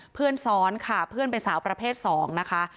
เพื่อนซ้อนค่ะเพื่อนเป็นสาวประเภท๒นะคะ